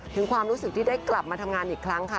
ถึงความรู้สึกที่ได้กลับมาทำงานอีกครั้งค่ะ